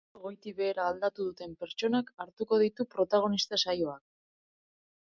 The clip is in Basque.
Bere bizitzeko modua goitik behera aldatu duten pertsonak hartuko ditu protagonista saioak.